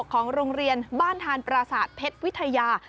ของโรงเรียนบ้านทานปราศาสตร์เพชรวิทยา